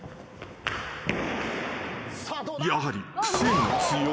［やはりクセが強い。